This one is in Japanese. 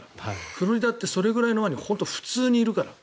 フロリダって、それぐらいのワニ普通にいるから。